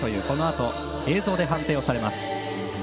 このあと映像で判定をされます。